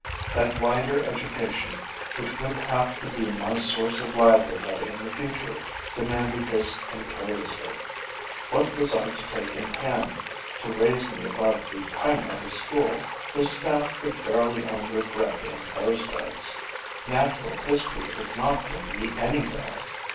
That wider education, which would have to be my source of livelihood in the future, demanded this imperiously. What was I to take in hand to raise me above the primary school, whose staff could barely earn their bread in those days? Natural history could not bring me anywhere.